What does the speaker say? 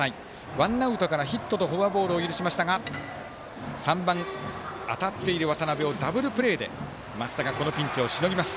ワンアウトからヒットとフォアボールを許しましたが３番、当たっている渡邊をダブルプレーで増田がこのピンチをしのぎます。